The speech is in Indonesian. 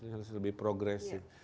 harus lebih progresif